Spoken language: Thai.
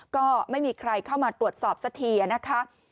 ก็ไม่มีใครเข้ามาตรวจสอบสักทีนะคะ